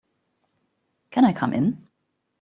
Can I come in?